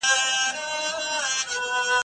ایا ته غواړې چي پوهه دي نوره هم زیاته سي؟